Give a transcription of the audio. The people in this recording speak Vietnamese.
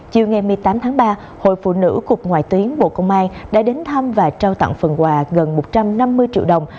chiều ngày một mươi tám tháng ba hội phụ nữ cục ngoại tuyến bộ công an đã đến thăm và trao tặng phần quà gần một trăm năm mươi triệu đồng